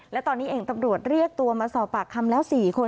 และตอนนี้เองตำรวจเรียกตัวมาสอบปากคำแล้ว๔คน